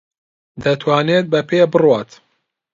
دەتوانێت بە پێ بڕوات.